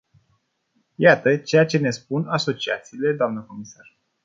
Iată ceea ce ne spun asociațiile, doamnă comisar.